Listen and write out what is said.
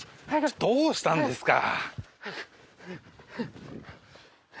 どうしたんですか？